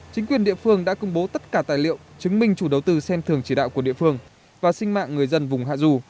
chính quyền địa phương đã công bố tất cả tài liệu chứng minh chủ đầu tư xem thường chỉ đạo của địa phương và sinh mạng người dân vùng hạ dù